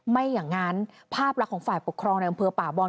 ไม่อย่างนั้นภาพลักษณ์ของฝ่ายปกครองในอำเภอป่าบอล